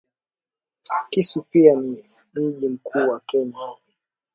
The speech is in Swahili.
Kisumu pia ni mjii mkuu Kenya